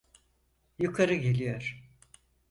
Yukarı geliyor.